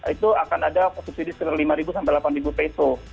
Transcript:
itu akan ada subsidi sekitar lima sampai delapan peso